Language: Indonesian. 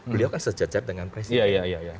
beliau kan sejajar dengan presiden